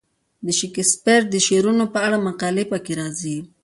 د شکسپیر د شعرونو په اړه مقالې پکې راځي.